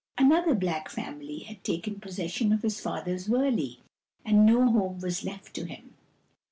Another black family had taken posses sion of his father's wurley, and no home was left to him.